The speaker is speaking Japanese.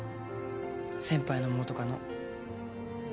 先輩の元カノ。